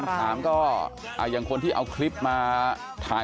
ล้มแล้วล้มแล้ว